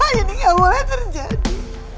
enggak ini gak boleh terjadi